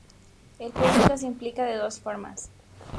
El público se implica de dos formas.